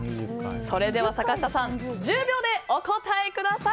それでは坂下さん１０秒でお答えください。